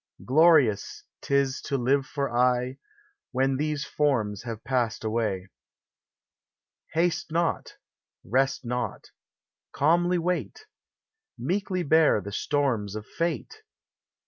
Glorious 't is to live for aye, When these forms have passed ;iway. Haste not ! Rest not! Calmly wait | Meekly bear the storms of fate!